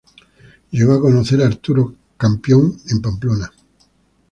Llegó a conocer a Arturo Campión en Pamplona.